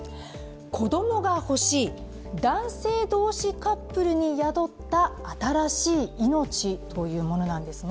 子供が欲しい、男性同士カップルに宿った新しい命というものなんです。